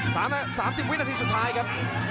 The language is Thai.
สามสามสิบวินาทีสุดท้ายครับ